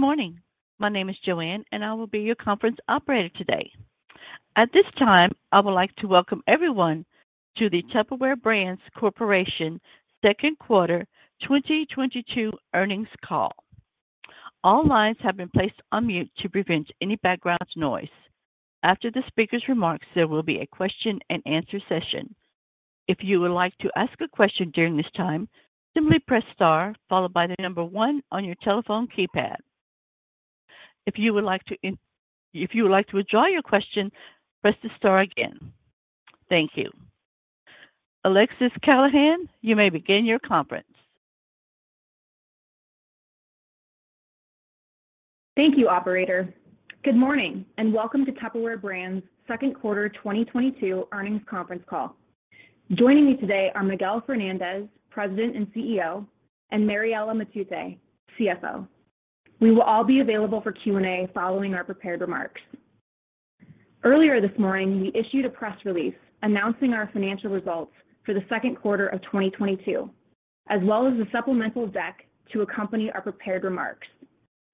Good morning. My name is Joanne and I will be your conference operator today. At this time, I would like to welcome everyone to the Tupperware Brands Corporation second quarter 2022 earnings call. All lines have been placed on mute to prevent any background noise. After the speaker's remarks, there will be a question-and-answer session. If you would like to ask a question during this time, simply press star followed by the number one on your telephone keypad. If you would like to withdraw your question, press the star again. Thank you. Alexis Callahan, you may begin your conference. Thank you, operator. Good morning and welcome to Tupperware Brands second quarter 2022 earnings conference call. Joining me today are Miguel Fernandez, President and CEO, and Mariela Matute, CFO. We will all be available for Q&A following our prepared remarks. Earlier this morning, we issued a press release announcing our financial results for the second quarter of 2022, as well as a supplemental deck to accompany our prepared remarks,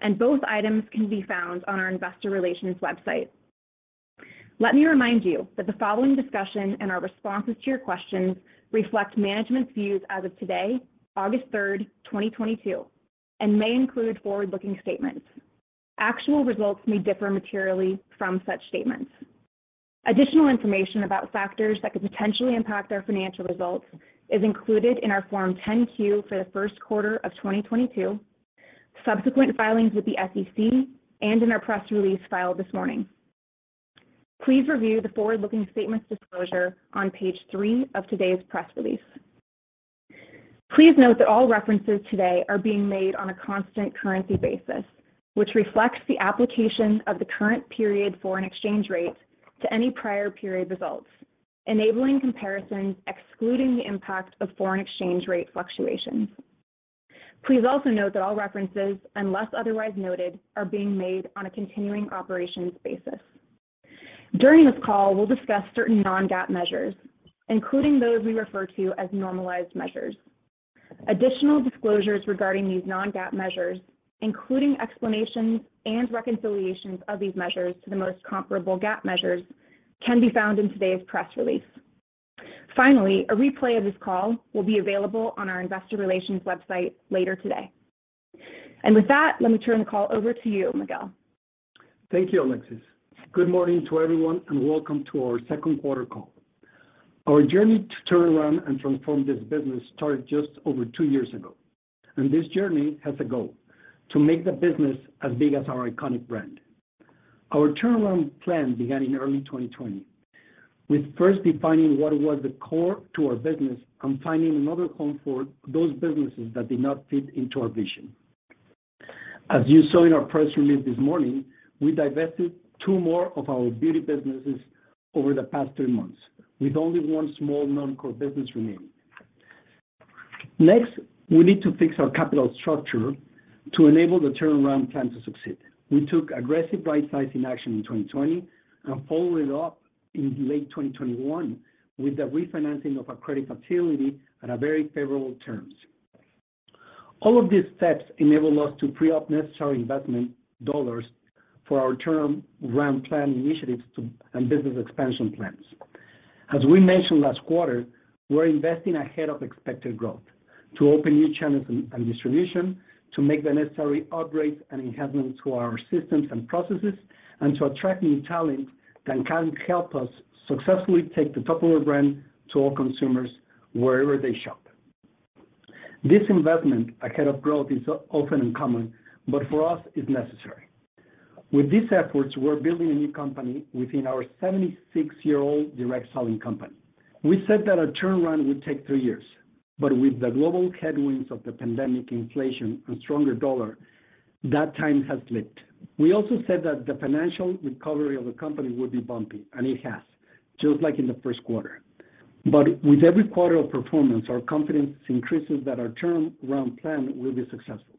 and both items can be found on our investor relations website. Let me remind you that the following discussion and our responses to your questions reflect management's views as of today, August 3rd, 2022, and may include forward-looking statements. Actual results may differ materially from such statements. Additional information about factors that could potentially impact our financial results is included in our Form 10-Q for the first quarter of 2022, subsequent filings with the SEC, and in our press release filed this morning. Please review the forward-looking statements disclosure on page three of today's press release. Please note that all references today are being made on a constant currency basis, which reflects the application of the current period foreign exchange rate to any prior period results, enabling comparisons excluding the impact of foreign exchange rate fluctuations. Please also note that all references, unless otherwise noted, are being made on a continuing operations basis. During this call, we'll discuss certain non-GAAP measures, including those we refer to as normalized measures. Additional disclosures regarding these non-GAAP measures, including explanations and reconciliations of these measures to the most comparable GAAP measures, can be found in today's press release. Finally, a replay of this call will be available on our investor relations website later today. With that, let me turn the call over to you, Miguel. Thank you, Alexis. Good morning to everyone, and welcome to our second quarter call. Our journey to turn around and transform this business started just over two years ago, and this journey has a goal, to make the business as big as our iconic brand. Our turnaround plan began in early 2020, with first defining what was the core to our business and finding another home for those businesses that did not fit into our vision. As you saw in our press release this morning, we divested two more of our beauty businesses over the past three months, with only one small non-core business remaining. Next, we need to fix our capital structure to enable the turnaround plan to succeed. We took aggressive rightsizing action in 2020 and followed it up in late 2021 with the refinancing of our credit facility at a very favorable terms. All of these steps enabled us to free up necessary investment dollars for our turnaround plan initiatives and business expansion plans. As we mentioned last quarter, we're investing ahead of expected growth to open new channels and distribution to make the necessary upgrades and enhancements to our systems and processes, and to attract new talent that can help us successfully take the Tupperware brand to all consumers wherever they shop. This investment ahead of growth is often uncommon, but for us it's necessary. With these efforts, we're building a new company within our 76-year-old direct selling company. We said that our turnaround would take three years, but with the global headwinds of the pandemic inflation and stronger dollar, that time has slipped. We also said that the financial recovery of the company would be bumpy, and it has, just like in the first quarter. With every quarter of performance, our confidence increases that our turnaround plan will be successful.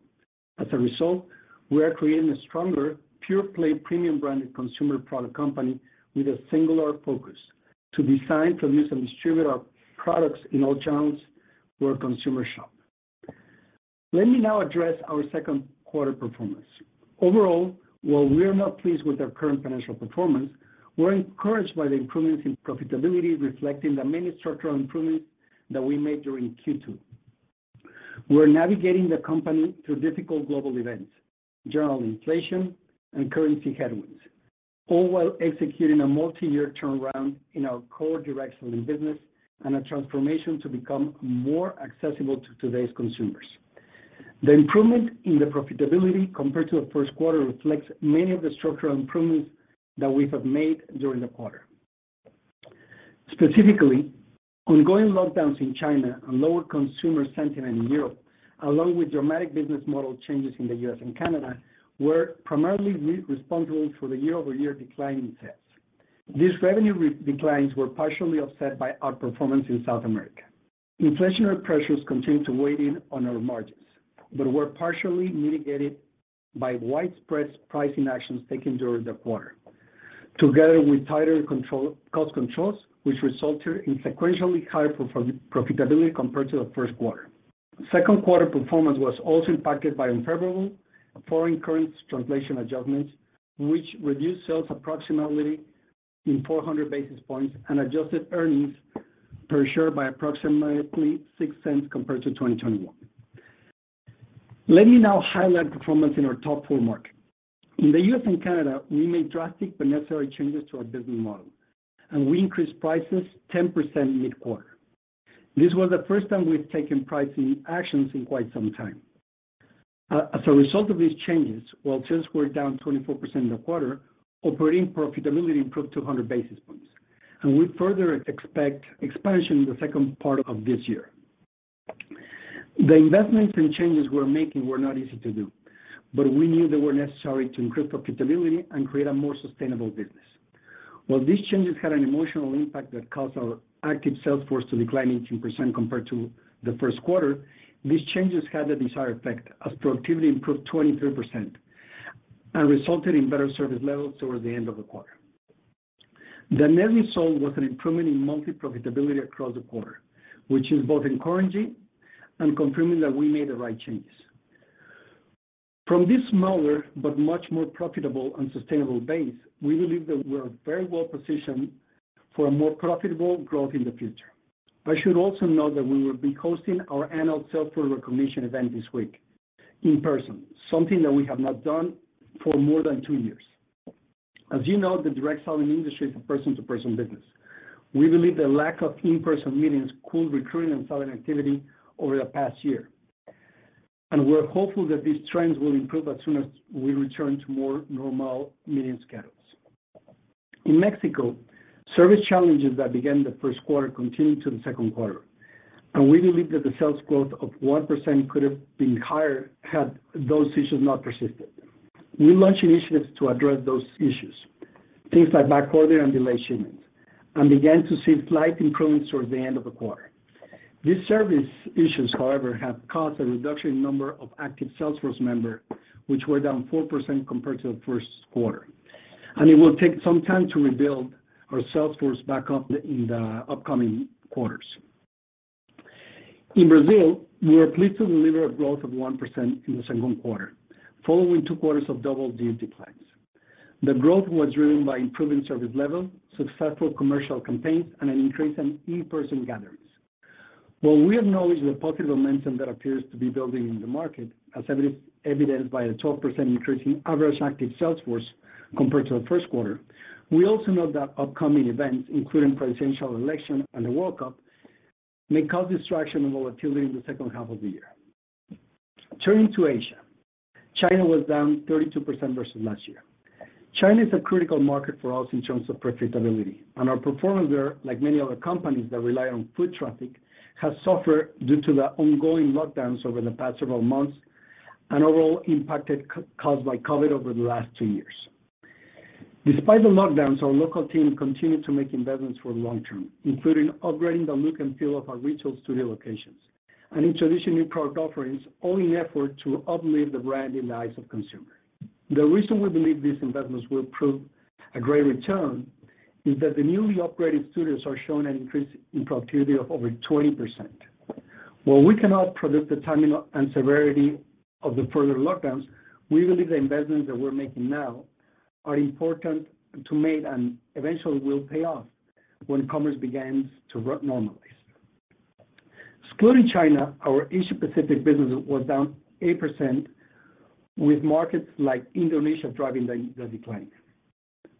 As a result, we are creating a stronger, pure-play, premium branded consumer product company with a singular focus, to design, produce, and distribute our products in all channels where consumers shop. Let me now address our second quarter performance. Overall, while we are not pleased with our current financial performance, we're encouraged by the improvements in profitability, reflecting the many structural improvements that we made during Q2. We're navigating the company through difficult global events, general inflation and currency headwinds, all while executing a multi-year turnaround in our core direct selling business and a transformation to become more accessible to today's consumers. The improvement in the profitability compared to the first quarter reflects many of the structural improvements that we have made during the quarter. Specifically, ongoing lockdowns in China and lower consumer sentiment in Europe, along with dramatic business model changes in the U.S. and Canada, were primarily responsible for the year-over-year decline in sales. These revenue declines were partially offset by outperformance in South America. Inflationary pressures continued to weigh on our margins, but were partially mitigated by widespread pricing actions taken during the quarter. Together with tighter cost controls, which resulted in sequentially higher profitability compared to the first quarter. Second quarter performance was also impacted by unfavorable foreign currency translation adjustments, which reduced sales approximately 400 basis points and adjusted earnings per share by approximately $0.06 compared to 2021. Let me now highlight performance in our top four markets. In the U.S. And Canada, we made drastic but necessary changes to our business model, and we increased prices 10% mid-quarter. This was the first time we've taken pricing actions in quite some time. As a result of these changes, while sales were down 24% in the quarter, operating profitability improved 200 basis points, and we further expect expansion in the second part of this year. The investments and changes we're making were not easy to do, but we knew they were necessary to increase profitability and create a more sustainable business. While these changes had an emotional impact that caused our active sales force to decline 18% compared to the first quarter, these changes had the desired effect as productivity improved 23% and resulted in better service levels towards the end of the quarter. The net result was an improvement in monthly profitability across the quarter, which is both encouraging and confirming that we made the right changes. From this smaller but much more profitable and sustainable base, we believe that we're very well positioned for a more profitable growth in the future. I should also note that we will be hosting our annual sales force recognition event this week in person, something that we have not done for more than two years. As you know, the direct selling industry is a person-to-person business. We believe the lack of in-person meetings could have affected recruiting and selling activity over the past year. We're hopeful that these trends will improve as soon as we return to more normal meeting schedules. In Mexico, service challenges that began in the first quarter continued to the second quarter, and we believe that the sales growth of 1% could have been higher had those issues not persisted. We launched initiatives to address those issues, things like backorder and delayed shipments, and began to see slight improvements towards the end of the quarter. These service issues, however, have caused a reduction in number of active sales force member, which were down 4% compared to the first quarter, and it will take some time to rebuild our sales force back up in the upcoming quarters. In Brazil, we are pleased to deliver a growth of 1% in the second quarter, following two quarters of double-digit declines. The growth was driven by improving service level, successful commercial campaigns, and an increase in in-person gatherings. While we acknowledge the positive momentum that appears to be building in the market, as evidenced by a 12% increase in average active sales force compared to the first quarter, we also know that upcoming events, including presidential election and the World Cup, may cause distraction and volatility in the second half of the year. Turning to Asia, China was down 32% versus last year. China is a critical market for us in terms of profitability, and our performance there, like many other companies that rely on foot traffic, has suffered due to the ongoing lockdowns over the past several months and overall impact caused by COVID over the last two years. Despite the lockdowns, our local team continued to make investments for long term, including upgrading the look and feel of our retail studio locations and introducing new product offerings, all in effort to uplift the brand in the eyes of consumers. The reason we believe these investments will prove a great return is that the newly upgraded studios are showing an increase in productivity of over 20%. While we cannot predict the timing and severity of the further lockdowns, we believe the investments that we're making now are important to make and eventually will pay off when commerce begins to re-normalize. Excluding China, our Asia Pacific business was down 8%, with markets like Indonesia driving the decline.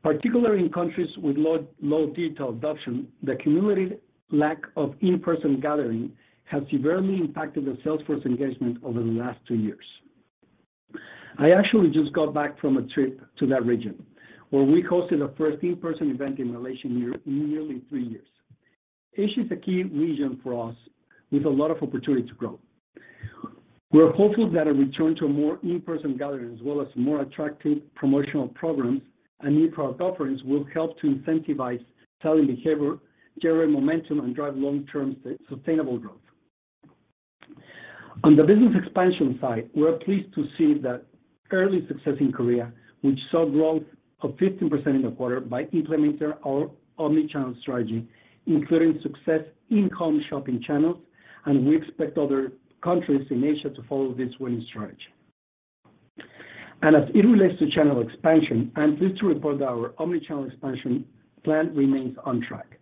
Particularly in countries with low digital adoption, the community lack of in-person gathering has severely impacted the sales force engagement over the last two years. I actually just got back from a trip to that region, where we hosted our first in-person event in Malaysia nearly three years. Asia is a key region for us with a lot of opportunity to grow. We're hopeful that a return to more in-person gatherings, as well as more attractive promotional programs and new product offerings, will help to incentivize selling behavior, generate momentum, and drive long-term sustainable growth. On the business expansion side, we're pleased to see the early success in Korea, which saw growth of 15% in the quarter by implementing our omnichannel strategy, including success in home shopping channels, and we expect other countries in Asia to follow this winning strategy. As it relates to channel expansion, I'm pleased to report that our omnichannel expansion plan remains on track.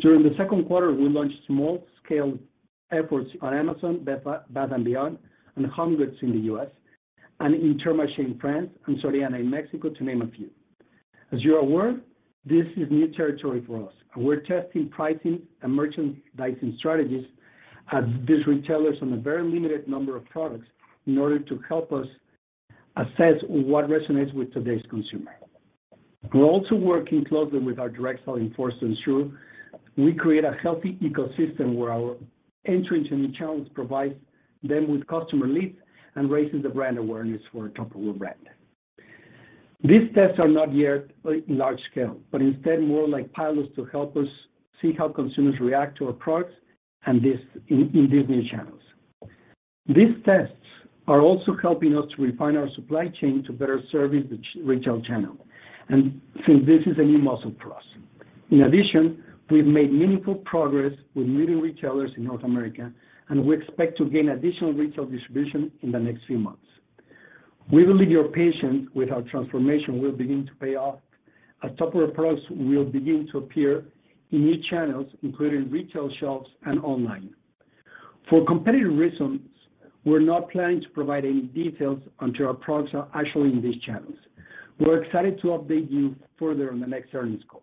During the second quarter, we launched small-scale efforts on Amazon, Bed Bath & Beyond, and HomeGoods in the U.S., and Intermarché in France and Soriana in Mexico, to name a few. As you are aware, this is new territory for us, and we're testing pricing and merchandising strategies at these retailers on a very limited number of products in order to help us assess what resonates with today's consumer. We're also working closely with our direct selling force to ensure we create a healthy ecosystem where our entry into new channels provides them with customer leads and raises the brand awareness for our Top Global Brand. These tests are not yet large scale, but instead more like pilots to help us see how consumers react to our products and this in these new channels. These tests are also helping us to refine our supply chain to better service the retail channel. Since this is a new muscle for us. In addition, we've made meaningful progress with leading retailers in North America, and we expect to gain additional retail distribution in the next few months. We believe your patience with our transformation will begin to pay off as Tupperware products will begin to appear in new channels, including retail shelves and online. For competitive reasons, we're not planning to provide any details until our products are actually in these channels. We're excited to update you further on the next earnings call.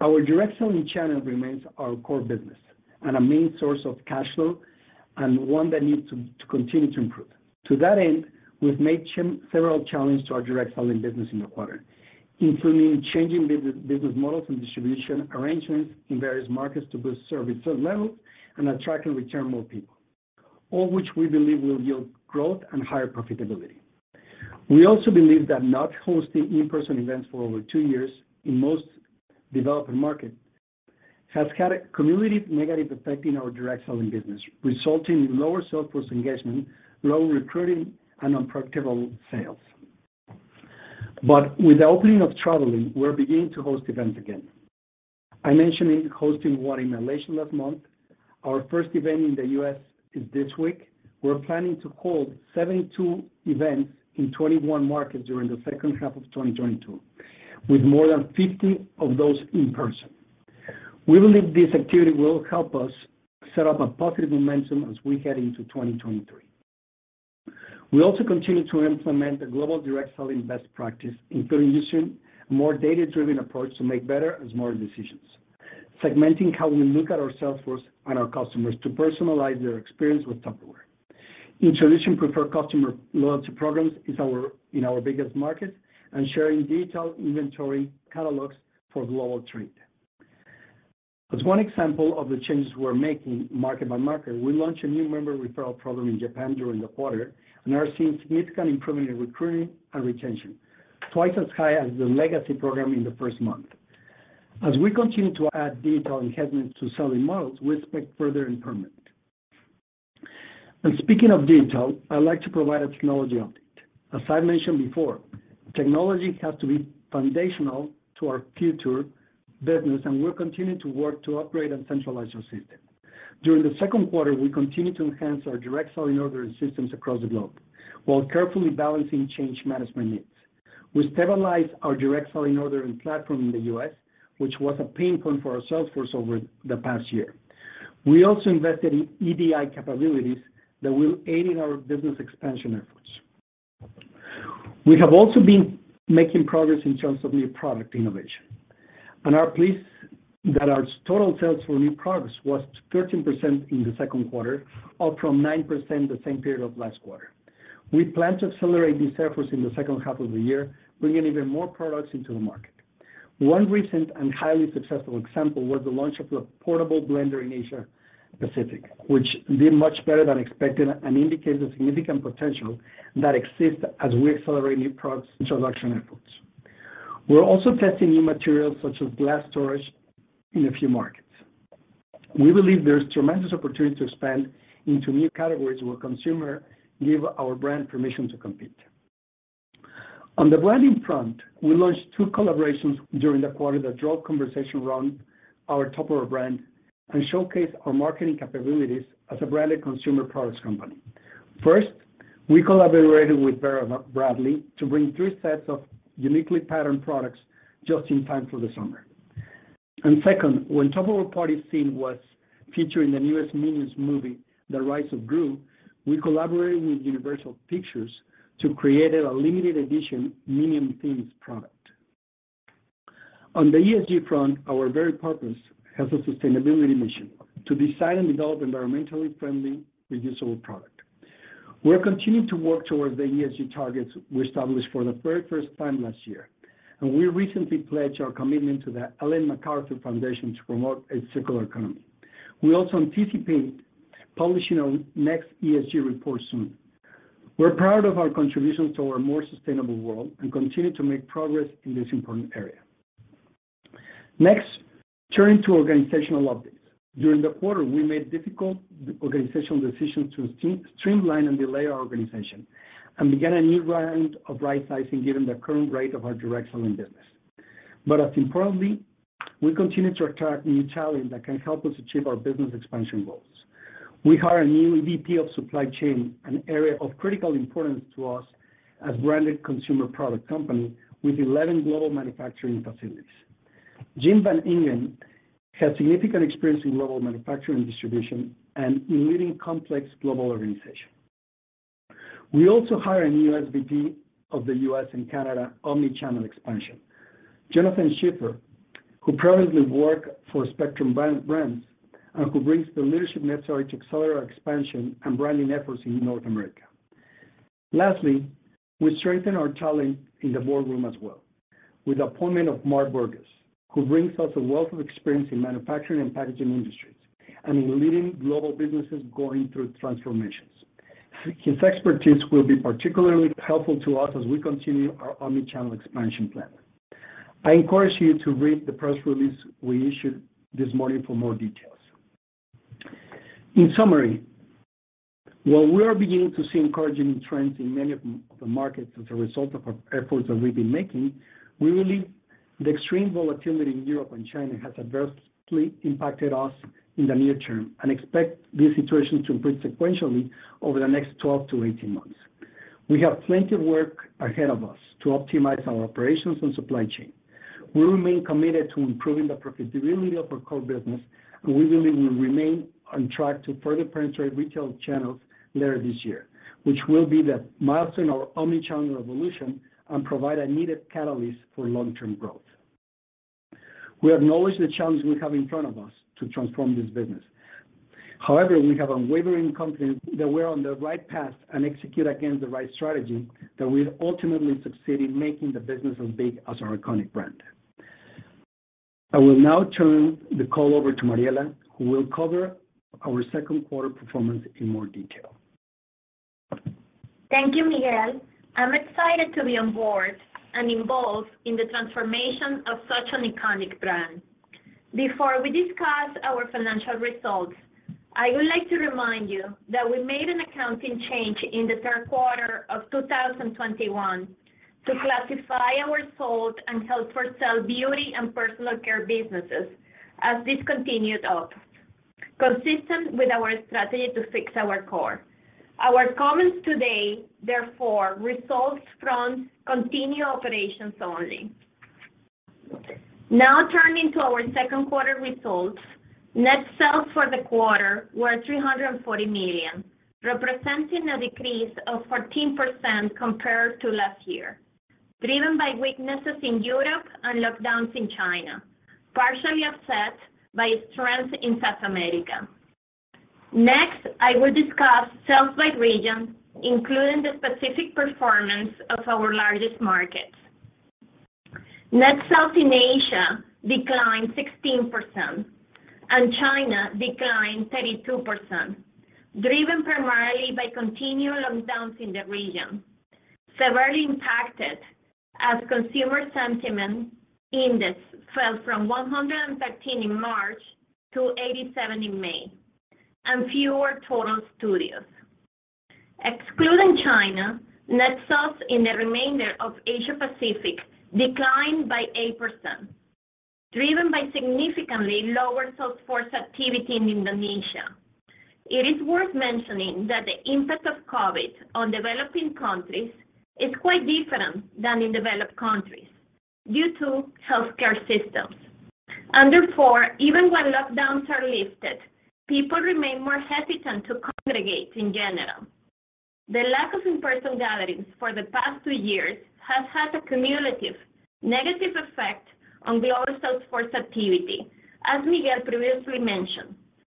Our direct selling channel remains our core business and a main source of cash flow, and one that needs to continue to improve. To that end, we've made several changes to our direct selling business in the quarter, including changing business models and distribution arrangements in various markets to boost service levels and attract and retain more people, all of which we believe will yield growth and higher profitability. We also believe that not hosting in-person events for over two years in most developing markets has had a cumulative negative effect in our direct selling business, resulting in lower sales force engagement, lower recruiting, and unprofitable sales. With the opening of travel, we're beginning to host events again. I mentioned hosting one in Malaysia last month. Our first event in the U.S. is this week. We're planning to hold 72 events in 21 markets during the second half of 2022, with more than 50 of those in person. We believe this activity will help us set up a positive momentum as we head into 2023. We also continue to implement the global direct selling best practice, including using a more data-driven approach to make better and smarter decisions, segmenting how we look at our sales force and our customers to personalize their experience with Tupperware. Introducing preferred customer loyalty programs is in our biggest markets, and sharing digital inventory catalogs for global trade. As one example of the changes we're making market by market, we launched a new member referral program in Japan during the quarter and are seeing significant improvement in recruiting and retention, twice as high as the legacy program in the first month. As we continue to add digital enhancements to selling models, we expect further improvement. Speaking of digital, I'd like to provide a technology update. As I mentioned before, technology has to be foundational to our future business, and we're continuing to work to upgrade and centralize our system. During the second quarter, we continued to enhance our direct selling order and systems across the globe while carefully balancing change management needs. We stabilized our direct selling ordering platform in the U.S., which was a pain point for our sales force over the past year. We also invested in EDI capabilities that will aid in our business expansion efforts. We have also been making progress in terms of new product innovation and are pleased that our total sales for new products was 13% in the second quarter, up from 9% the same period of last quarter. We plan to accelerate these efforts in the second half of the year, bringing even more products into the market. One recent and highly successful example was the launch of the portable blender in Asia Pacific, which did much better than expected and indicates the significant potential that exists as we accelerate new products introduction efforts. We're also testing new materials such as glass storage in a few markets. We believe there's tremendous opportunity to expand into new categories where consumers give our brand permission to compete. On the branding front, we launched two collaborations during the quarter that drove conversation around our Tupperware brand and showcased our marketing capabilities as a branded consumer products company. First, we collaborated with Vera Bradley to bring three sets of uniquely patterned products just in time for the summer. Second, when Tupperware party scene was featured in the newest Minions: The Rise of Gru movie, we collaborated with Universal Pictures to create a limited edition Minion-themed product. On the ESG front, our very purpose has a sustainability mission to design and develop environmentally friendly, reusable product. We are continuing to work towards the ESG targets we established for the very first time last year, and we recently pledged our commitment to the Ellen MacArthur Foundation to promote a circular economy. We also anticipate publishing our next ESG report soon. We're proud of our contribution to a more sustainable world and continue to make progress in this important area. Next, turning to organizational updates. During the quarter, we made difficult organizational decisions to streamline and realign our organization and began a new round of right sizing given the current rate of our direct selling business. As importantly, we continue to attract new talent that can help us achieve our business expansion goals. We hired a new VP of supply chain, an area of critical importance to us as branded consumer product company with 11 global manufacturing facilities. Jim Van Ingen has significant experience in global manufacturing and distribution and in leading complex global organizations. We also hire a new SVP of the U.S. and Canada omnichannel expansion. Jonathan Schiffer, who previously worked for Spectrum Brands, and who brings the leadership necessary to accelerate our expansion and branding efforts in North America. Lastly, we strengthen our talent in the boardroom as well with the appointment of Mark Burgess, who brings us a wealth of experience in manufacturing and packaging industries and in leading global businesses going through transformation. His expertise will be particularly helpful to us as we continue our omnichannel expansion plan. I encourage you to read the press release we issued this morning for more details. In summary, while we are beginning to see encouraging trends in many of the markets as a result of our efforts that we've been making, we believe the extreme volatility in Europe and China has adversely impacted us in the near term and expect this situation to improve sequentially over the next 12-18 months. We have plenty of work ahead of us to optimize our operations and supply chain. We remain committed to improving the profitability of our core business, and we believe we remain on track to further penetrate retail channels later this year, which will be the milestone of our omnichannel revolution and provide a needed catalyst for long-term growth. We acknowledge the challenge we have in front of us to transform this business. However, we have unwavering confidence that we're on the right path and execute against the right strategy that will ultimately succeed in making the business as big as our iconic brand. I will now turn the call over to Mariela, who will cover our second quarter performance in more detail. Thank you, Miguel. I'm excited to be on board and involved in the transformation of such an iconic brand. Before we discuss our financial results, I would like to remind you that we made an accounting change in the third quarter of 2021 to classify our sold and held-for-sale beauty and personal care businesses as discontinued operations, consistent with our strategy to focus on our core. Our comments today, therefore, results from continuing operations only. Now, turning to our second quarter results. Net sales for the quarter were $340 million, representing a decrease of 14% compared to last year, driven by weaknesses in Europe and lockdowns in China, partially offset by strength in South America. Next, I will discuss sales by region, including the specific performance of our largest markets. Net sales in Asia declined 16%, and China declined 32%, driven primarily by continued lockdowns in the region, severely impacted as Consumer Sentiment Index fell from 113 in March to 87 in May, and fewer total studios. Excluding China, net sales in the remainder of Asia Pacific declined by 8%, driven by significantly lower sales force activity in Indonesia. It is worth mentioning that the impact of COVID on developing countries is quite different than in developed countries due to healthcare systems. Therefore, even when lockdowns are lifted, people remain more hesitant to congregate in general. The lack of in-person gatherings for the past two years has had a cumulative negative effect on the order sales force activity, as Miguel previously mentioned,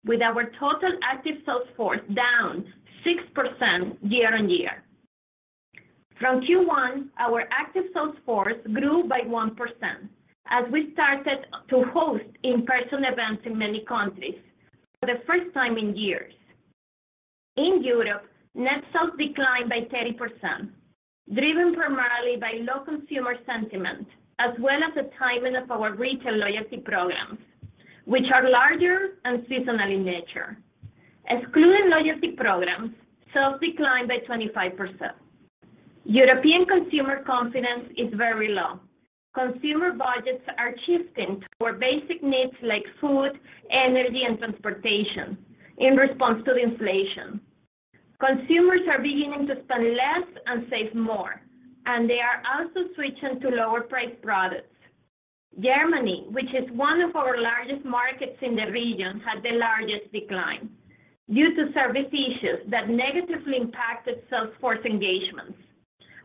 with our total active sales force down 6% year-over-year. From Q1, our active sales force grew by 1% as we started to host in-person events in many countries for the first time in years. In Europe, net sales declined by 30%, driven primarily by low consumer sentiment as well as the timing of our retail loyalty programs, which are larger and seasonal in nature. Excluding loyalty programs, sales declined by 25%. European consumer confidence is very low. Consumer budgets are shifting toward basic needs like food, energy, and transportation in response to the inflation. Consumers are beginning to spend less and save more, and they are also switching to lower-priced products. Germany, which is one of our largest markets in the region, had the largest decline due to service issues that negatively impacted sales force engagements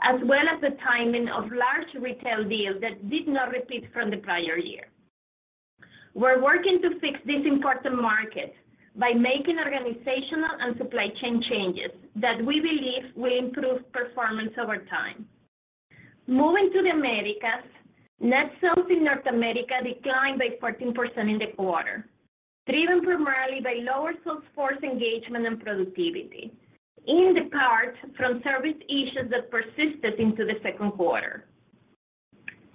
as well as the timing of large retail deals that did not repeat from the prior year. We're working to fix this important market by making organizational and supply chain changes that we believe will improve performance over time. Moving to the Americas, net sales in North America declined by 14% in the quarter, driven primarily by lower sales force engagement and productivity, in part from service issues that persisted into the second quarter.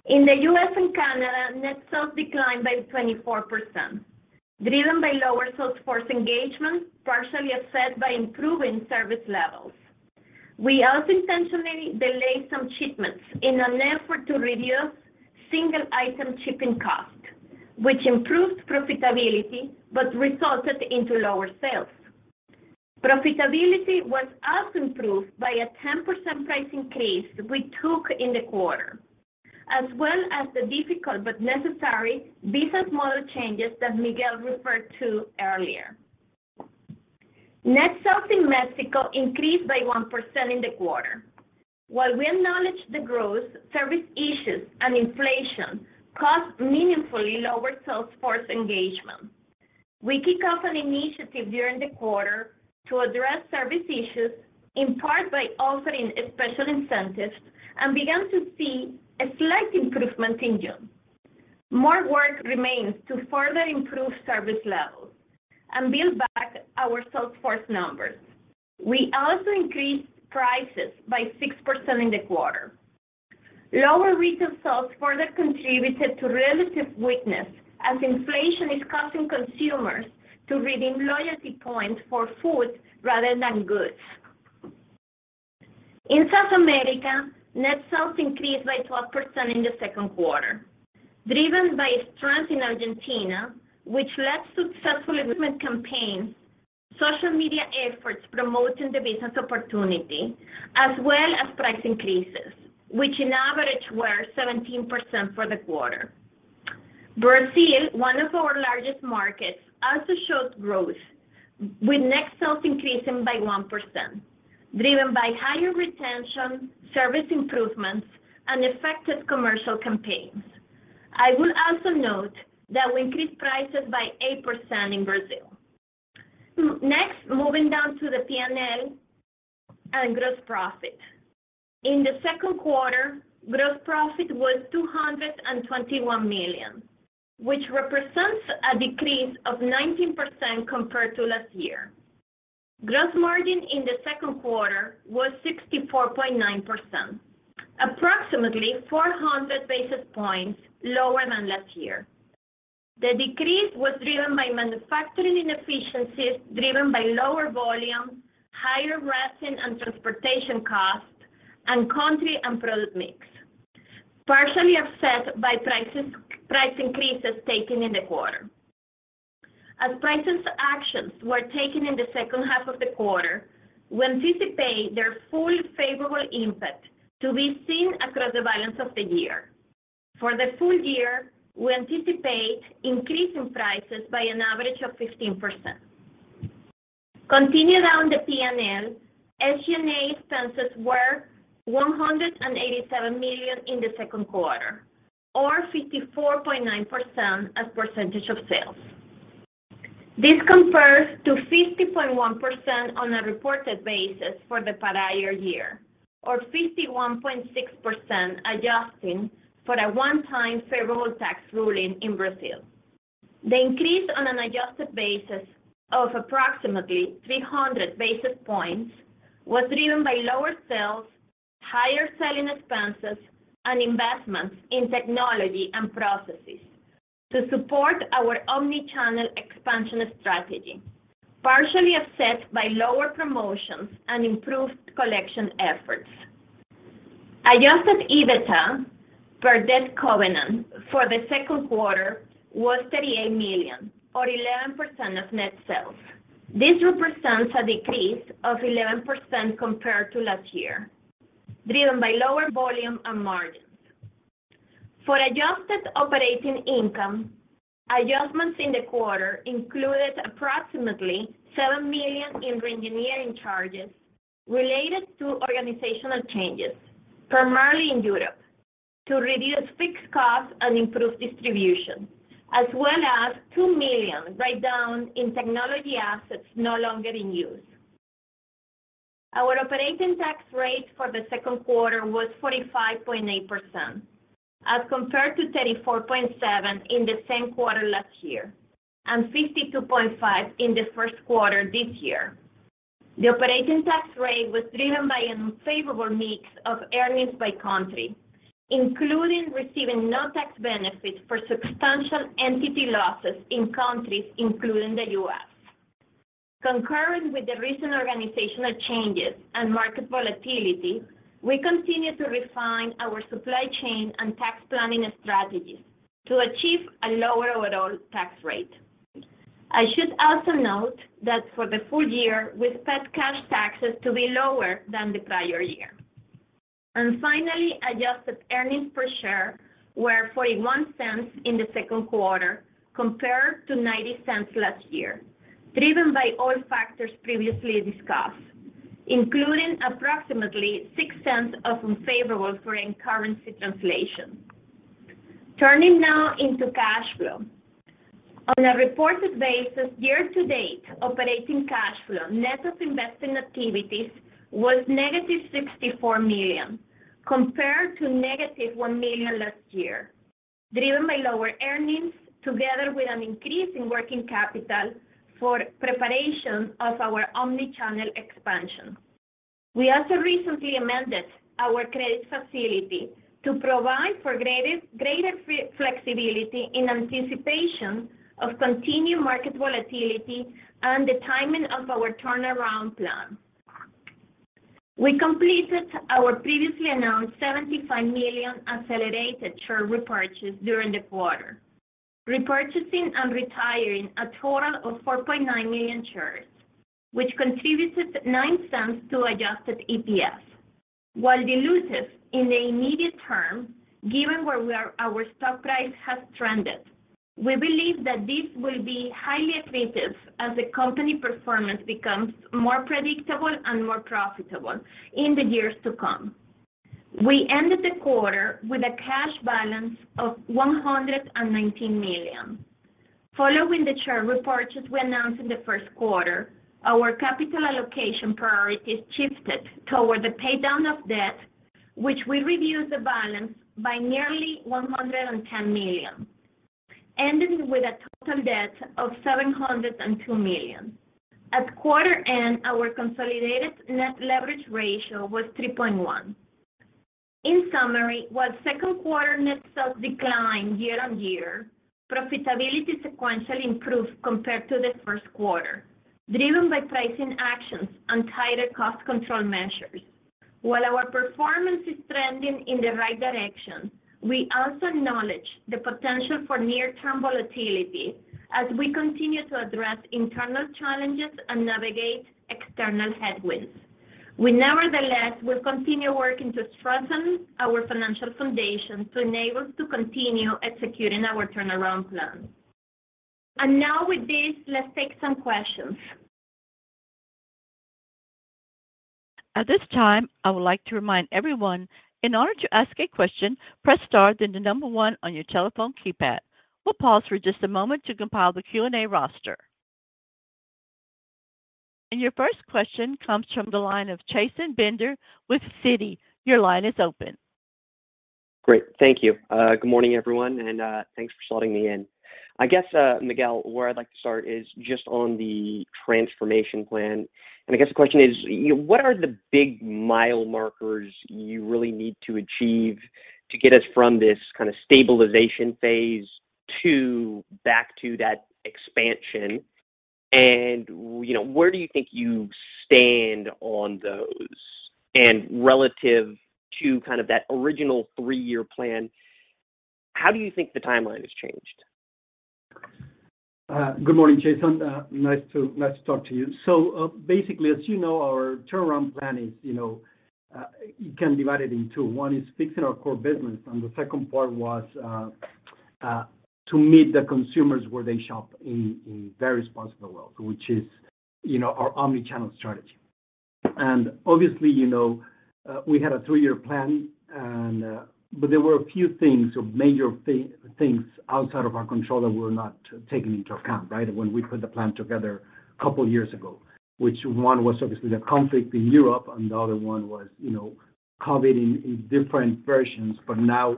In the U.S. and Canada, net sales declined by 24%, driven by lower sales force engagement, partially offset by improving service levels. We also intentionally delayed some shipments in an effort to reduce single item shipping cost, which improved profitability but resulted into lower sales. Profitability was also improved by a 10% price increase we took in the quarter, as well as the difficult but necessary business model changes that Miguel referred to earlier. Net sales in Mexico increased by 1% in the quarter. While we acknowledge the growth, service issues and inflation caused meaningfully lower sales force engagement. We kicked off an initiative during the quarter to address service issues, in part by offering special incentives, and began to see a slight improvement in June. More work remains to further improve service levels and build back our sales force numbers. We also increased prices by 6% in the quarter. Lower retail sales further contributed to relative weakness as inflation is causing consumers to redeem loyalty points for food rather than goods. In South America, net sales increased by 12% in the second quarter, driven by strength in Argentina, which led successful recruitment campaigns, social media efforts promoting the business opportunity, as well as price increases, which on average were 17% for the quarter. Brazil, one of our largest markets, also showed growth with net sales increasing by 1%, driven by higher retention, service improvements, and effective commercial campaigns. I will also note that we increased prices by 8% in Brazil. Next, moving down to the PNL and gross profit. In the second quarter, gross profit was $221 million, which represents a decrease of 19% compared to last year. Gross margin in the second quarter was 64.9%, approximately 400 basis points lower than last year. The decrease was driven by manufacturing inefficiencies driven by lower volume, higher resin and transportation costs, and country and product mix, partially offset by prices, price increases taken in the quarter. As price actions were taken in the second half of the quarter, we anticipate their full favorable impact to be seen across the balance of the year. For the full year, we anticipate increase in prices by an average of 15%. Continuing down the PNL, SG&A expenses were $187 million in the second quarter or 54.9% as percentage of sales. This compares to 50.1% on a reported basis for the prior year, or 51.6% adjusting for a one-time federal tax ruling in Brazil. The increase on an adjusted basis of approximately 300 basis points was driven by lower sales, higher selling expenses, and investments in technology and processes to support our omnichannel expansion strategy, partially offset by lower promotions and improved collection efforts. Adjusted EBITDA for debt covenant for the second quarter was $38 million or 11% of net sales. This represents a decrease of 11% compared to last year, driven by lower volume and margins. For adjusted operating income, adjustments in the quarter included approximately $7 million in reengineering charges related to organizational changes, primarily in Europe, to reduce fixed costs and improve distribution, as well as $2 million write-down in technology assets no longer in use. Our operating tax rate for the second quarter was 45.8% as compared to 34.7% in the same quarter last year, and 52.5% in the first quarter this year. The operating tax rate was driven by unfavorable mix of earnings by country, including receiving no tax benefits for substantial entity losses in countries, including the U.S. Concurrent with the recent organizational changes and market volatility, we continue to refine our supply chain and tax planning strategies to achieve a lower overall tax rate. I should also note that for the full year, we expect cash taxes to be lower than the prior year. Finally, adjusted earnings per share were $0.41 in the second quarter compared to $0.90 last year, driven by all factors previously discussed, including approximately $0.06 of unfavorable foreign currency translation. Turning now to cash flow. On a reported basis, year-to-date operating cash flow, net of investing activities was -$64 million compared to -$1 million last year, driven by lower earnings together with an increase in working capital for preparation of our omnichannel expansion. We also recently amended our credit facility to provide for greater flexibility in anticipation of continued market volatility and the timing of our turnaround plan. We completed our previously announced $75 million accelerated share repurchase during the quarter, repurchasing and retiring a total of 4.9 million shares, which contributed $0.09 to Adjusted EPS. While dilutive in the immediate term, given where we are, our stock price has trended, we believe that this will be highly accretive as the company performance becomes more predictable and more profitable in the years to come. We ended the quarter with a cash balance of $119 million. Following the chair report, just we announced in the first quarter, our capital allocation priorities shifted toward the pay down of debt, which we reduced the balance by nearly $110 million, ending with a total debt of $702 million. At quarter end, our consolidated net leverage ratio was 3.1. In summary, while second quarter net sales declined year-on-year, profitability sequentially improved compared to the first quarter, driven by pricing actions and tighter cost control measures. While our performance is trending in the right direction, we also acknowledge the potential for near-term volatility as we continue to address internal challenges and navigate external headwinds. We nevertheless will continue working to strengthen our financial foundation to enable us to continue executing our turnaround plan. Now with this, let's take some questions. At this time, I would like to remind everyone, in order to ask a question, press star, then the number one on your telephone keypad. We'll pause for just a moment to compile the Q&A roster. Your first question comes from the line of Chasen Bender with Citi. Your line is open. Great. Thank you. Good morning, everyone, and thanks for slotting me in. I guess, Miguel, where I'd like to start is just on the transformation plan. I guess the question is, you know, what are the big mile markers you really need to achieve to get us from this kind of stabilization phase to back to that expansion? You know, where do you think you stand on those? Relative to kind of that original three-year plan, how do you think the timeline has changed? Good morning, Chasen. Nice to talk to you. Basically, as you know, our turnaround plan is, you know, you can divide it in two. One is fixing our core business, and the second part was to meet the consumers where they shop in various parts of the world, which is, you know, our omnichannel strategy. Obviously, you know, we had a three-year plan, but there were a few things, major things outside of our control that were not taken into account, right? When we put the plan together a couple of years ago, which one was obviously the conflict in Europe, and the other one was, you know, COVID in different versions, but now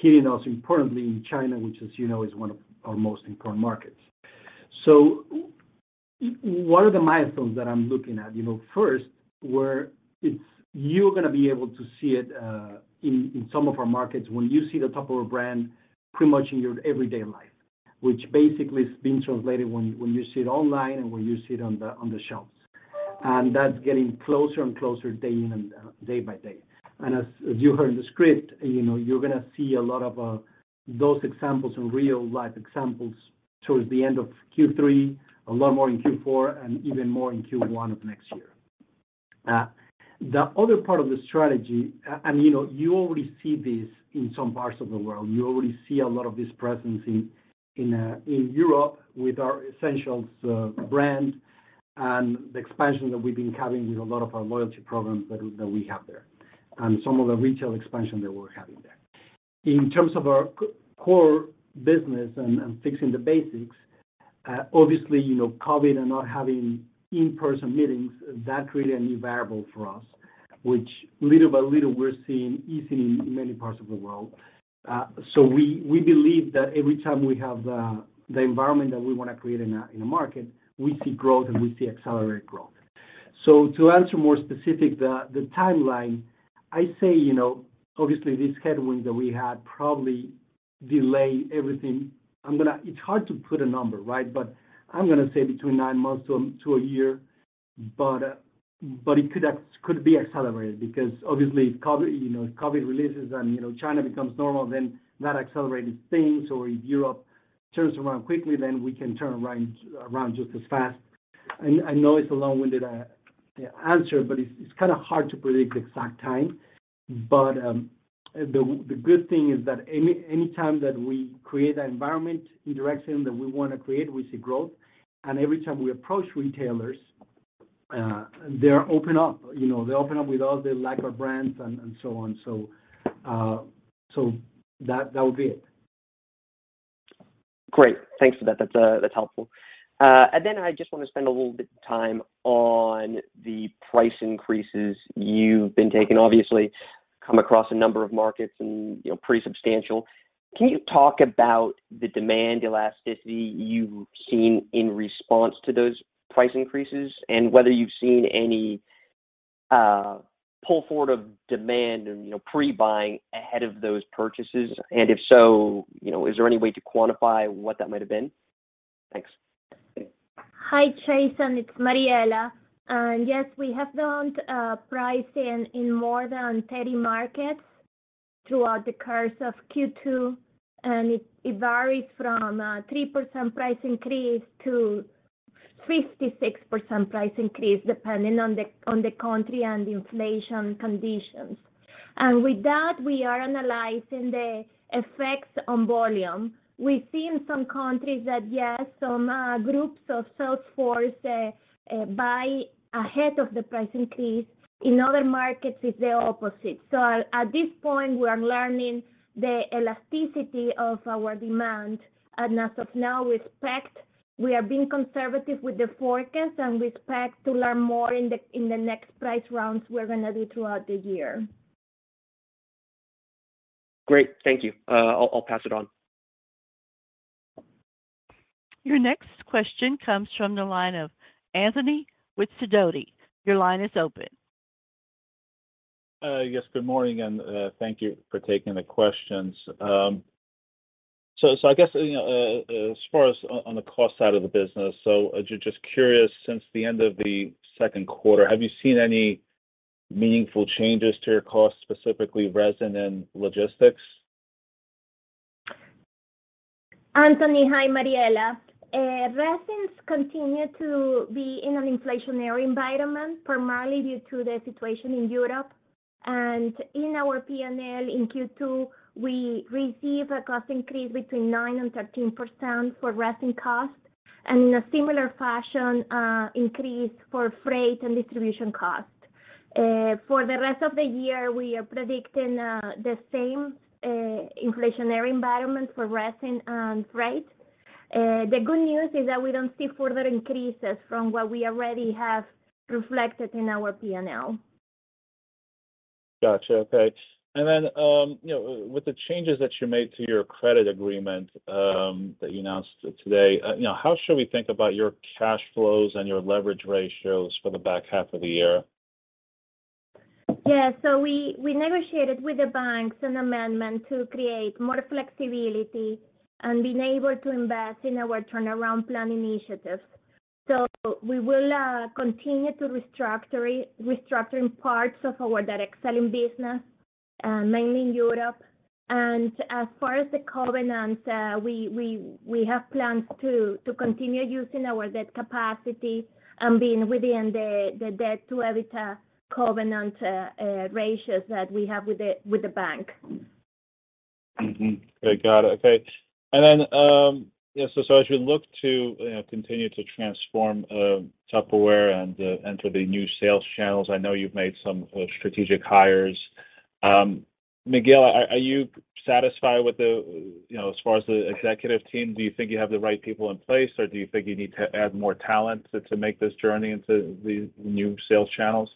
hitting us importantly in China, which, as you know, is one of our most important markets. What are the milestones that I'm looking at? You know, first, where it's you're gonna be able to see it in some of our markets when you see the Tupperware brand pretty much in your everyday life, which basically is being translated when you see it online and when you see it on the shelves. That's getting closer and closer day by day. As you heard in the script, you know, you're gonna see a lot of those examples and real-life examples towards the end of Q3, a lot more in Q4, and even more in Q1 of next year. The other part of the strategy, and you know, you already see this in some parts of the world. You already see a lot of this presence in Europe with our Essentials brand and the expansion that we've been having with a lot of our loyalty programs that we have there, and some of the retail expansion that we're having there. In terms of our core business and fixing the basics, obviously, you know, COVID and not having in-person meetings created a new variable for us, which little by little we're seeing easing in many parts of the world. We believe that every time we have the environment that we wanna create in a market, we see growth and we see accelerated growth. To answer more specifically, the timeline, I say, you know, obviously these headwinds that we had probably delays everything. It's hard to put a number, right? I'm gonna say between nine months to a year, but it could be accelerated because obviously if COVID, you know, if COVID releases and, you know, China becomes normal, then that accelerated things or if Europe turns around quickly, then we can turn around just as fast. I know it's a long-winded answer, but it's kinda hard to predict the exact time. The good thing is that any time that we create an environment in direction that we wanna create, we see growth. Every time we approach retailers, they open up, you know, they open up with all their lack of brands and so on. That would be it. Great. Thanks for that. That's helpful. I just wanna spend a little bit of time on the price increases you've been taking. Obviously, come across a number of markets and, you know, pretty substantial. Can you talk about the demand elasticity you've seen in response to those price increases and whether you've seen any pull forward of demand and, you know, pre-buying ahead of those price increases? If so, you know, is there any way to quantify what that might have been? Thanks. Hi, Chasen. It's Mariela. Yes, we have done pricing in more than 30 markets throughout the course of Q2, and it varies from 3% price increase to 56% price increase depending on the country and inflation conditions. With that, we are analyzing the effects on volume. We've seen some countries that, yes, some groups of sales force buy ahead of the price increase. In other markets, it's the opposite. At this point, we are learning the elasticity of our demand. As of now, we expect. We are being conservative with the forecast and we expect to learn more in the next price rounds we're gonna do throughout the year. Great. Thank you. I'll pass it on. Your next question comes from the line of Anthony with Sidoti. Your line is open. Yes, good morning, and thank you for taking the questions. So I guess, you know, as far as on the cost side of the business, so just curious, since the end of the second quarter, have you seen any meaningful changes to your cost, specifically resin and logistics? Anthony, hi. Mariela. Resins continue to be in an inflationary environment, primarily due to the situation in Europe. In our P&L in Q2, we receive a cost increase between 9% and 13% for resin cost, and in a similar fashion, increase for freight and distribution cost. For the rest of the year, we are predicting the same inflationary environment for resin and freight. The good news is that we don't see further increases from what we already have reflected in our P&L. Gotcha. Okay. You know, with the changes that you made to your credit agreement, that you announced today, you know, how should we think about your cash flows and your leverage ratios for the back half of the year? We negotiated with the banks an amendment to create more flexibility and be able to invest in our turnaround plan initiatives. We will continue to restructuring parts of our Direct Selling business, mainly in Europe. As far as the covenants, we have plans to continue using our debt capacity and being within the debt to EBITDA covenant ratios that we have with the bank. Okay. Got it. Okay. As you look to, you know, continue to transform Tupperware and enter the new sales channels, I know you've made some strategic hires. Miguel, are you satisfied? You know, as far as the executive team, do you think you have the right people in place, or do you think you need to add more talent to make this journey into the new sales channels?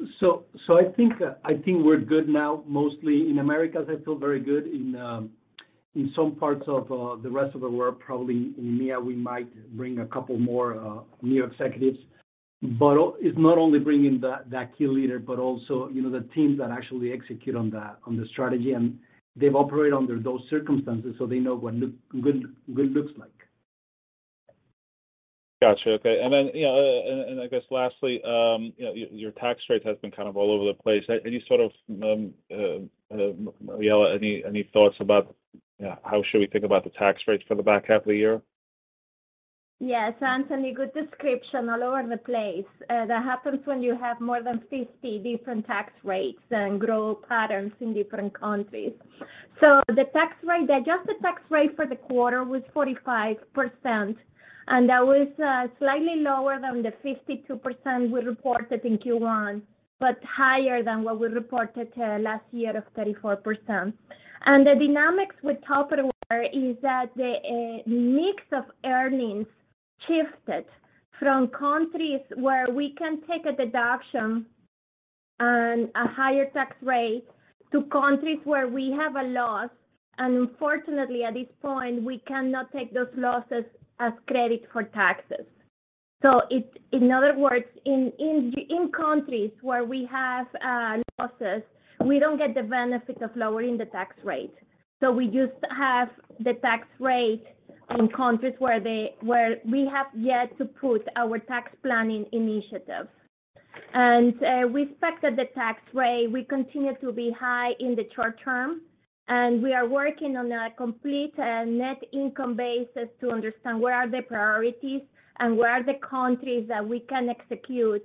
I think we're good now, mostly. In Americas, I feel very good. In some parts of the rest of the world, probably in EMEA, we might bring a couple more new executives. It's not only bringing that key leader, but also, you know, the teams that actually execute on the strategy, and they've operated under those circumstances, so they know what good looks like. Got you. Okay. Then, you know, and I guess lastly, you know, your tax rate has been kind of all over the place. Any sort of, Mariela, any thoughts about, you know, how should we think about the tax rates for the back half of the year? Yes, Anthony, good description, all over the place. That happens when you have more than 50 different tax rates and growth patterns in different countries. The tax rate, the adjusted tax rate for the quarter was 45%, and that was slightly lower than the 52% we reported in Q1, but higher than what we reported last year of 34%. The dynamics with Tupperware is that the mix of earnings shifted from countries where we can take a deduction and a higher tax rate to countries where we have a loss. Unfortunately, at this point, we cannot take those losses as credit for taxes. In other words, in countries where we have losses, we don't get the benefit of lowering the tax rate. We just have the tax rate in countries where we have yet to put our tax planning initiative. We expect that the tax rate will continue to be high in the short term, and we are working on a complete net income basis to understand where are the priorities and where are the countries that we can execute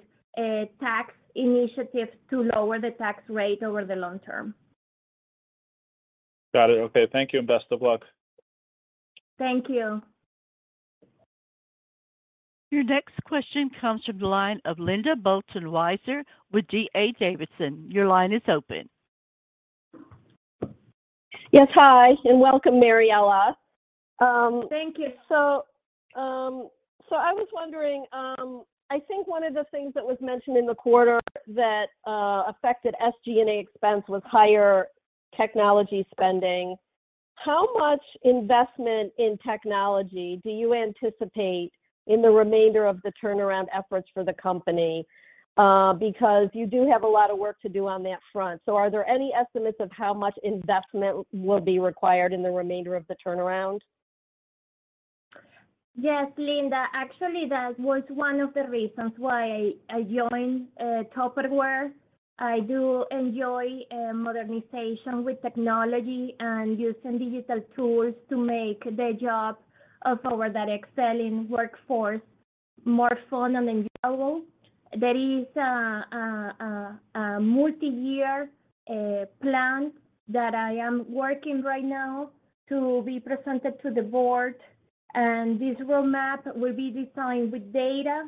tax initiatives to lower the tax rate over the long term. Got it. Okay. Thank you, and best of luck. Thank you. Your next question comes from the line of Linda Bolton-Weiser with D.A. Davidson. Your line is open. Yes. Hi, and welcome, Mariela. Thank you. I was wondering, I think one of the things that was mentioned in the quarter that affected SG&A expense was higher technology spending. How much investment in technology do you anticipate in the remainder of the turnaround efforts for the company? Because you do have a lot of work to do on that front. Are there any estimates of how much investment will be required in the remainder of the turnaround? Yes, Linda. Actually, that was one of the reasons why I joined Tupperware. I do enjoy modernization with technology and using digital tools to make the job of our direct selling workforce more fun and enjoyable. There is a multi-year plan that I am working right now to be presented to the board, and this roadmap will be designed with data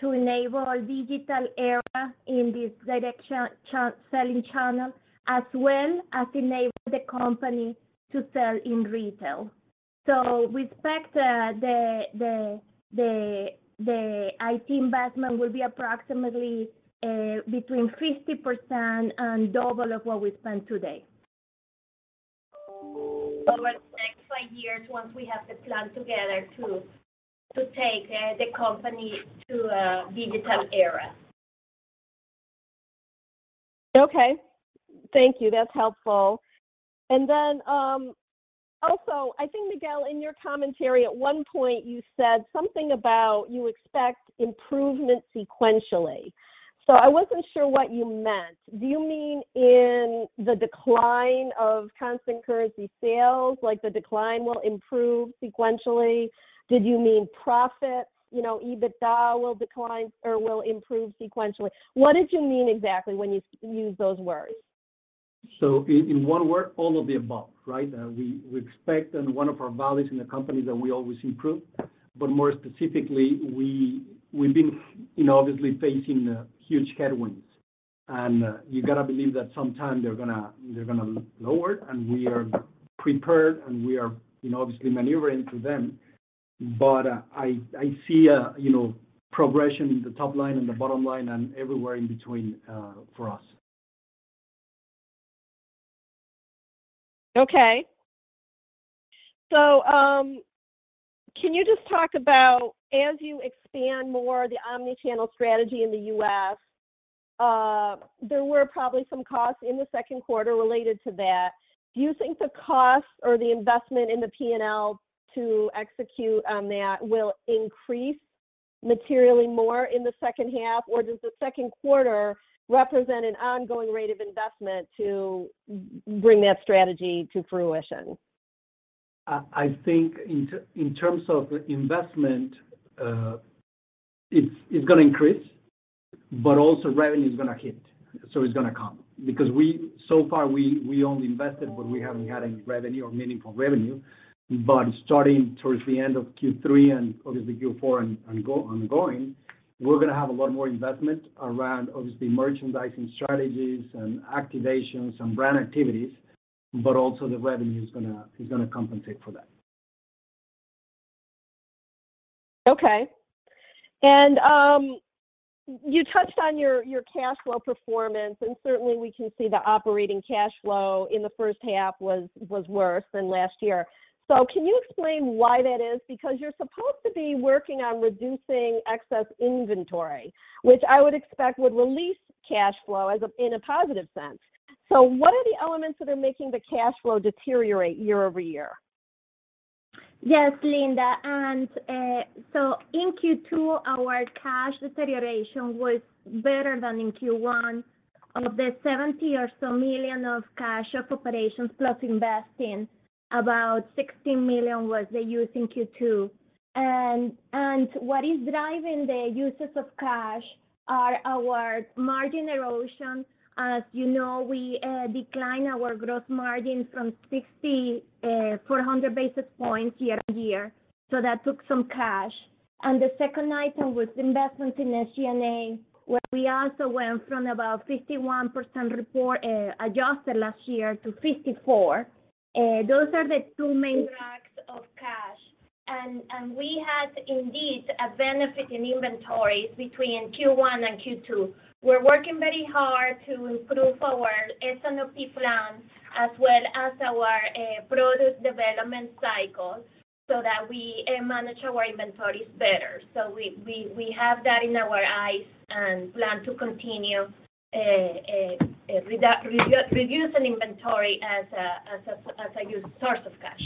to enable a digital era in this direct selling channel, as well as enable the company to sell in retail. We expect the IT investment will be approximately between 50% and double of what we spend today. Over the next five years once we have the plan together to take the company to a digital era. Okay. Thank you. That's helpful. Also, I think, Miguel, in your commentary at one point you said something about you expect improvement sequentially. I wasn't sure what you meant. Do you mean in the decline of constant currency sales, like the decline will improve sequentially? Did you mean profits, you know, EBITDA will decline or will improve sequentially? What did you mean exactly when you used those words? In one word, all of the above, right? We expect, and one of our values in the company that we always improve, but more specifically, we've been, you know, obviously facing huge headwinds. You gotta believe that sometime they're gonna lower, and we are prepared, and we are, you know, obviously maneuvering through them. I see a, you know, progression in the top line and the bottom line and everywhere in between, for us. Okay. Can you just talk about as you expand more the omnichannel strategy in the U.S., there were probably some costs in the second quarter related to that. Do you think the costs or the investment in the P&L to execute on that will increase materially more in the second half? Or does the second quarter represent an ongoing rate of investment to bring that strategy to fruition? I think in terms of investment, it's gonna increase, but also revenue is gonna hit, so it's gonna come. Because so far, we only invested, but we haven't had any revenue or meaningful revenue. But starting towards the end of Q3 and obviously Q4 and ongoing, we're gonna have a lot more investment around obviously merchandising strategies and activations and brand activities, but also the revenue is gonna compensate for that. Okay. You touched on your cash flow performance, and certainly we can see the operating cash flow in the first half was worse than last year. Can you explain why that is? Because you're supposed to be working on reducing excess inventory, which I would expect would release cash flow as a, in a positive sense. What are the elements that are making the cash flow deteriorate year-over-year? Yes, Linda. In Q2, our cash deterioration was better than in Q1. Of the $70 or so million from cash from operations plus investing, about $16 million was used in Q2. What is driving the uses of cash are our margin erosion. As you know, we declined our gross margin by 640 basis points year-over-year. That took some cash. The second item was investments in SG&A, where we also went from about 51% reported adjusted last year to 54%. Those are the two main drags of cash. We had indeed a benefit in inventories between Q1 and Q2. We're working very hard to improve our S&OP plan as well as our product development cycle so that we manage our inventories better. We have that in our sights and plan to continue reducing inventory as a source of cash.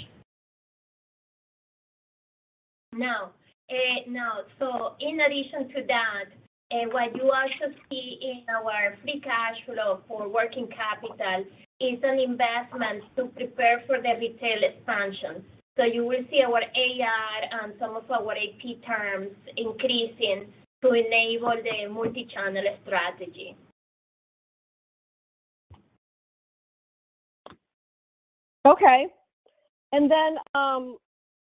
In addition to that, what you also see in our free cash flow for working capital is an investment to prepare for the retail expansion. You will see our AR and some of our AP terms increasing to enable the multi-channel strategy. Okay.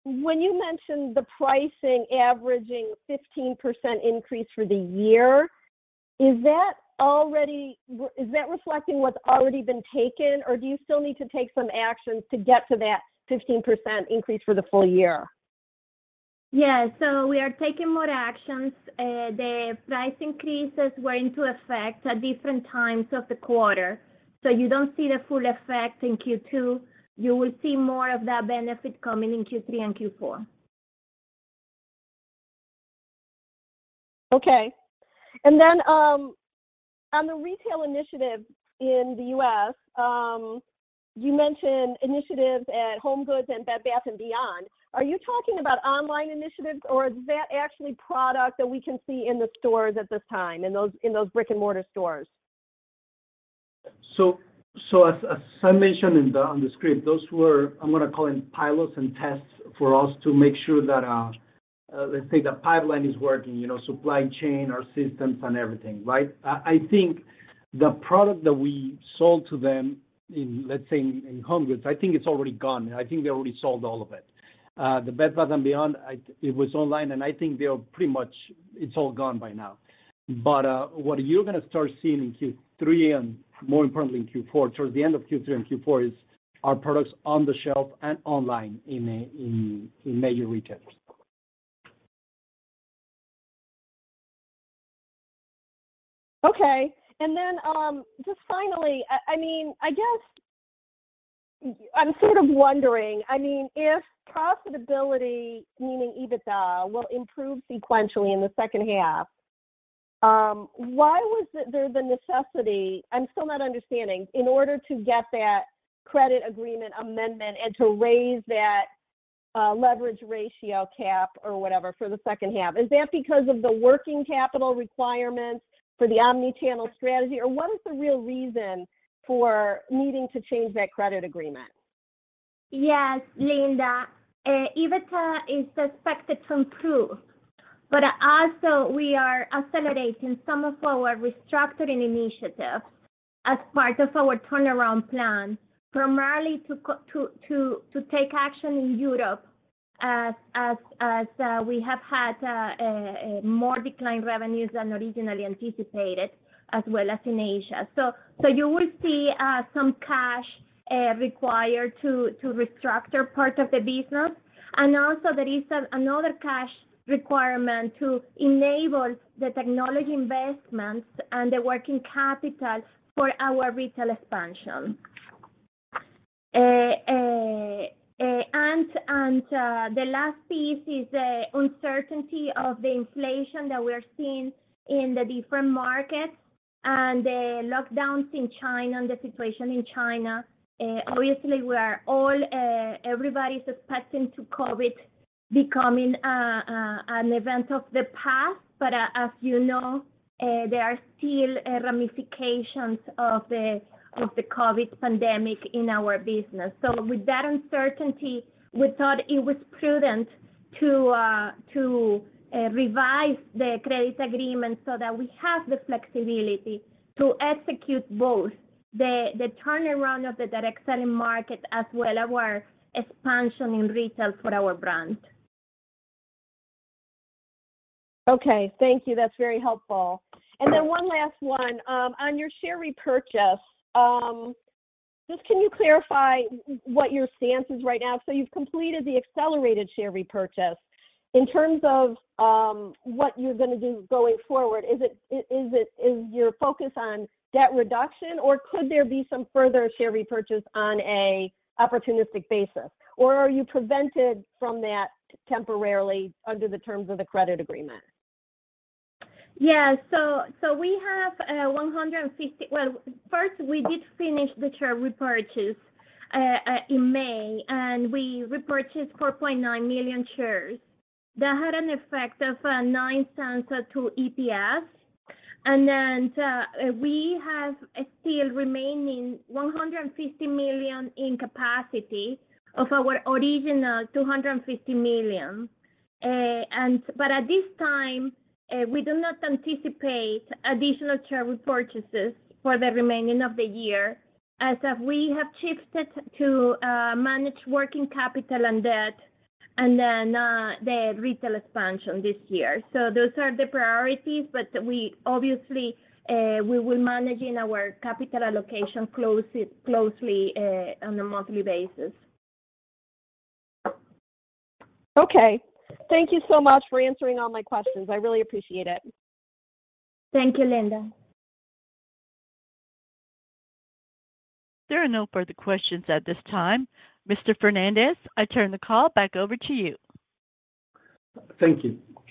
When you mentioned the pricing averaging 15% increase for the year, is that reflecting what's already been taken, or do you still need to take some actions to get to that 15% increase for the full year? Yeah. We are taking more actions. The price increases went into effect at different times of the quarter. You don't see the full effect in Q2. You will see more of that benefit coming in Q3 and Q4. Okay. On the retail initiative in the U.S., you mentioned initiatives at HomeGoods and Bed Bath & Beyond. Are you talking about online initiatives, or is that actually product that we can see in the stores at this time, in those brick-and-mortar stores? As I mentioned in the script, those were, I'm gonna call them pilots and tests for us to make sure that, let's say the pipeline is working, you know, supply chain, our systems and everything, right? I think the product that we sold to them in, let's say in HomeGoods, I think it's already gone. I think they already sold all of it. The Bed Bath & Beyond, it was online, and I think they are pretty much all gone by now. What you're gonna start seeing in Q3, and more importantly in Q4, towards the end of Q3 and Q4, is our products on the shelf and online in major retailers. Okay. Just finally, I mean, I guess I'm sort of wondering, I mean, if profitability, meaning EBITDA, will improve sequentially in the second half, why was there the necessity, I'm still not understanding, in order to get that credit agreement amendment and to raise that, leverage ratio cap or whatever for the second half? Is that because of the working capital requirements for the omnichannel strategy? Or what is the real reason for needing to change that credit agreement? Yes, Linda. EBITDA is expected to improve, but also we are accelerating some of our restructuring initiatives as part of our turnaround plan, primarily to take action in Europe as we have had more declined revenues than originally anticipated, as well as in Asia. You will see some cash required to restructure parts of the business. Also there is another cash requirement to enable the technology investments and the working capital for our retail expansion. The last piece is the uncertainty of the inflation that we're seeing in the different markets and the lockdowns in China and the situation in China. Obviously we are all, everybody's expecting the COVID becoming an event of the past. As you know, there are still ramifications of the COVID pandemic in our business. With that uncertainty, we thought it was prudent to revise the credit agreement so that we have the flexibility to execute both the turnaround of the direct selling market as well as our expansion in retail for our brand. Okay. Thank you. That's very helpful. One last one. On your share repurchase, just can you clarify what your stance is right now? You've completed the accelerated share repurchase. In terms of what you're gonna do going forward, is it your focus on debt reduction, or could there be some further share repurchase on an opportunistic basis? Or are you prevented from that temporarily under the terms of the credit agreement? Yeah. Well, first, we did finish the share repurchase in May, and we repurchased 4.9 million shares. That had an effect of $0.09 to EPS. We have still remaining $150 million in capacity of our original $250 million. But at this time, we do not anticipate additional share repurchases for the remaining of the year, as we have shifted to manage working capital and debt and then the retail expansion this year. Those are the priorities, but we obviously will managing our capital allocation closely on a monthly basis. Okay. Thank you so much for answering all my questions. I really appreciate it. Thank you, Linda. Thank you.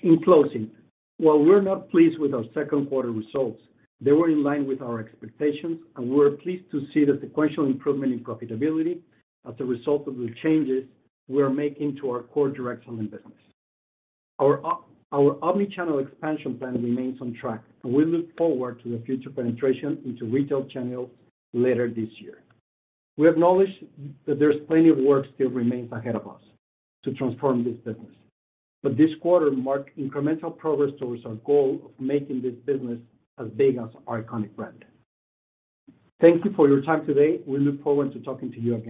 In closing, while we're not pleased with our second quarter results, they were in line with our expectations, and we're pleased to see the sequential improvement in profitability as a result of the changes we are making to our core direct selling business. Our omnichannel expansion plan remains on track, and we look forward to the future penetration into retail channels later this year. We acknowledge that there's plenty of work still remains ahead of us to transform this business, but this quarter marked incremental progress towards our goal of making this business as big as our iconic brand. Thank you for your time today. We look forward to talking to you again.